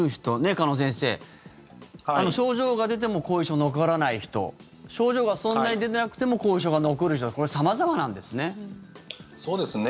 鹿野先生、症状が出ても後遺症、残らない人症状がそんなに出てなくても後遺症が残る人そうですね。